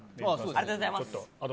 ありがとうございます。